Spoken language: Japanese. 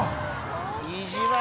意地悪